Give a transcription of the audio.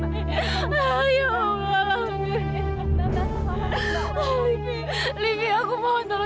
saya bukan livi maaf